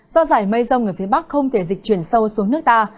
do giải mây rông ở phía bắc không thể dịch chuyển sâu xuống nước ta